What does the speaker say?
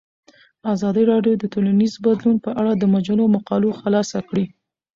ازادي راډیو د ټولنیز بدلون په اړه د مجلو مقالو خلاصه کړې.